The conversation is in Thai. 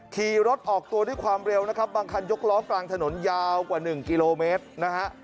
ขี่รถออกตัวด้วยความเร็วนะครับบางคันยกล้อกลางถนนยาวกว่า๑กิโลเมตรนะฮะ